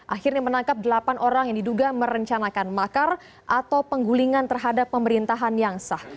akhirnya menangkap delapan orang yang diduga merencanakan makar atau penggulingan terhadap pemerintahan yang sah